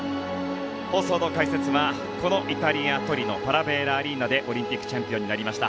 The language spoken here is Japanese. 放送の解説はこのイタリア・トリノパラベラアリーナでオリンピックチャンピオンになりました